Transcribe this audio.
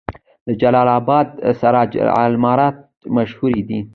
د جلال اباد سراج العمارت مشهور دی